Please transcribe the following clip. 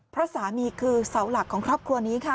เพราะสามีคือเสาหลักของครอบครัวนี้ค่ะ